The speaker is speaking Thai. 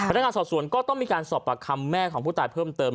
นักงานสอบสวนก็ต้องมีการสอบปากคำแม่ของผู้ตายเพิ่มเติม